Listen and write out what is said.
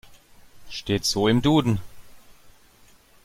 Steht so im Duden.